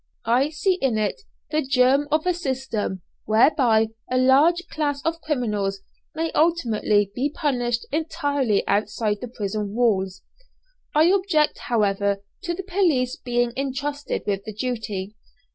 I see in it the germ of a system whereby a large class of criminals may ultimately be punished entirely outside the prison walls. I object, however, to the police being entrusted with the duty.